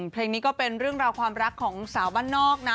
เพลงนี้ก็เป็นเรื่องราวความรักของสาวบ้านนอกนะ